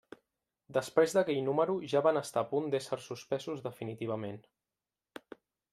Després d'aquell número ja van estar a punt d'ésser suspesos definitivament.